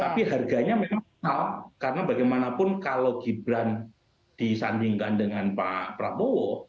tapi harganya memang mahal karena bagaimanapun kalau gibran disandingkan dengan pak prabowo